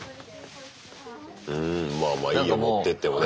うんまあまあいいよ持ってってもね。